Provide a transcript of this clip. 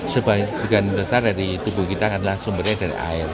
sebagian besar dari tubuh kita adalah sumbernya dari air